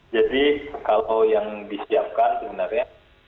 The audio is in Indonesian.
jadi kalau yang disiapkan sebenarnya